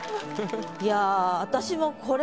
いや私もこれ。